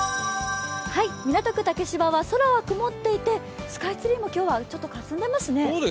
港区竹芝は空は曇っていてスカイツリーも今日はちょっとかすんでいますね。